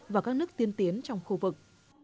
và các nước tiên tiến trong khu vực